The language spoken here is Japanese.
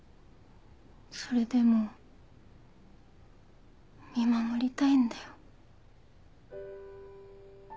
それでも見守りたいんだよ。